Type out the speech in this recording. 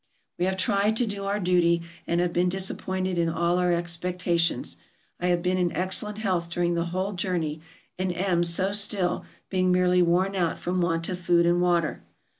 We have tried to do our duty, and have been dis appointed in all our expectations. I have been in excel lent health during the whole journey, and am so still, being merely worn out from want of food and water.